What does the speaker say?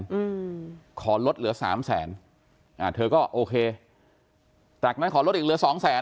อืมขอลดเหลือสามแสนอ่าเธอก็โอเคจากนั้นขอลดอีกเหลือสองแสน